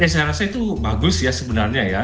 saya rasa itu bagus ya sebenarnya ya